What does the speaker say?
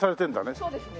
そうですね。